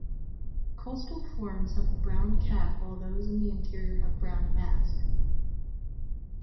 Coastal forms have a brown "cap" while those in the interior have brown "mask.